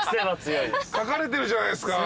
書かれてるじゃないっすか。